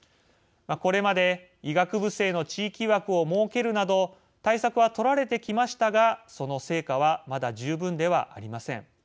これまで医学部生の地域枠を設けるなど対策は取られてきましたがその成果はまだ十分ではありません。